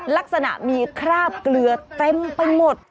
ลักษณะมีคราบเกลือเต็มไปหมด